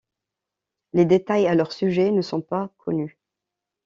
Les détails à leur sujet ne sont pas connus.